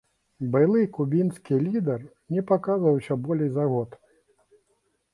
Былы кубінскі лідар не паказваўся болей за год.